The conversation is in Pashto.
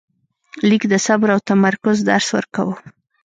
لیک د صبر او تمرکز درس ورکاوه.